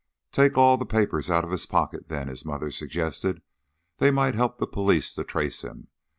"Take all the papers out of his pocket, then," the mother suggested; "they might help the police to trace him.